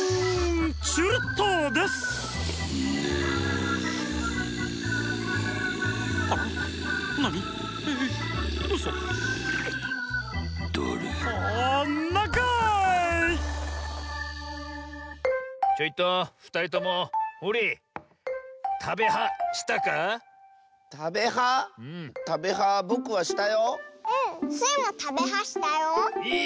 スイも「たべは」したよ。